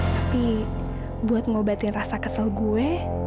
tapi buat ngobatin rasa kesel gue